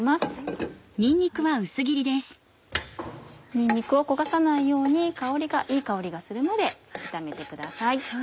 にんにくを焦がさないようにいい香りがするまで炒めてください。